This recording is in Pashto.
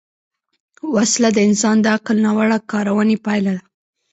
وسله د انسان د عقل ناوړه کارونې پایله ده